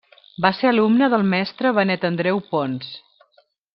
Va ser alumne del mestre Benet Andreu Pons.